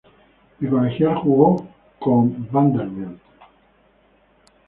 De colegial jugo con Vanderbilt.